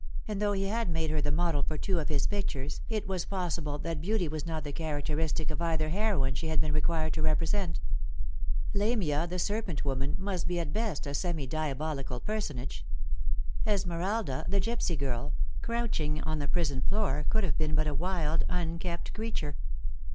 and though he had made her the model for two of his pictures, it was possible that beauty was not the characteristic cf either heroine she had been required to represent. Lamia, the serpent woman, must be at best a semi diabolical personage. Esmeralda, the gipsy girl, crouching on the prison floor, could have been but a wild unkempt creature.